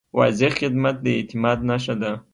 واضح خدمت د اعتماد نښه ده.